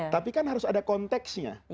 tapi kan harus ada konteksnya